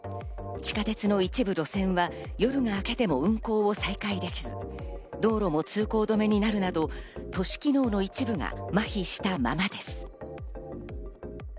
地下鉄の一部路線は夜が明けても運行できず、道路も通行止めになるなど都市機能の一部が麻痺したままです。